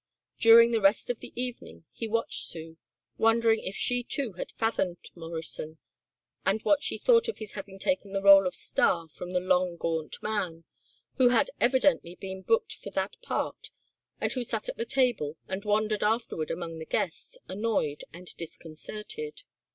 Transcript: During the rest of the evening he watched Sue, wondering if she too had fathomed Morrison and what she thought of his having taken the role of star from the long gaunt man, who had evidently been booked for that part and who sat at the table and wandered afterward among the guests, annoyed and disconcerted.